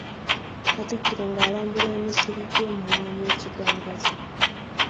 Katikkiro nga alambula emisiri gy’emmwanyi e Kigangazzi.